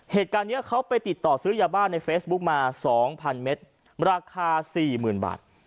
เหตุการณ์นี้เขาไปติดต่อซื้อยาบ้าในเฟซบุ๊กมา๒๐๐เมตรราคา๔๐๐๐บาท